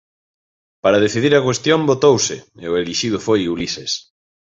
Para decidir a cuestión, votouse, e o elixido foi Ulises.